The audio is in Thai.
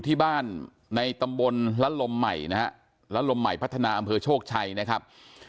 ที่บ้านในตำบลละลมใหม่นะฮะละลมใหม่พัฒนาอำเภอโชคชัยนะครับ